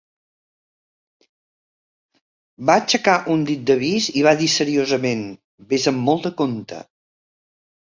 Va aixecar un dit d'avís i va dir seriosament "Ves amb molt de compte".